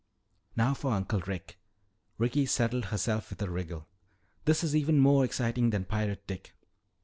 "Now for Uncle Rick." Ricky settled herself with a wriggle. "This is even more exciting than Pirate Dick."